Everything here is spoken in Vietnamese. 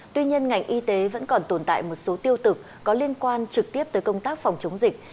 tuy nhiên ngành y tế vẫn còn tồn tại một số tiêu cực có liên quan trực tiếp tới công tác phòng chống dịch